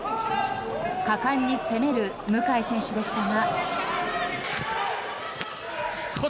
果敢に攻める向選手でしたが。